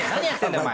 お前。